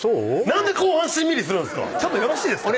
なんで後半しんみりするんですかちょっとよろしいですか？